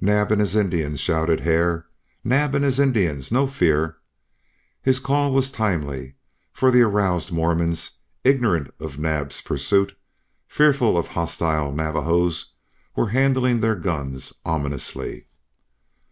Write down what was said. "Naab and his Indians," shouted Hare. "Naab and his Indians! No fear!" His call was timely, for the aroused Mormons, ignorant of Naab's pursuit, fearful of hostile Navajos, were handling their guns ominously.